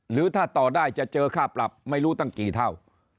หรือถ้าต่อได้จะเจอค่าปรับไม่รู้ตั้งกี่เท่า